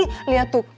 sekarang quieren keluar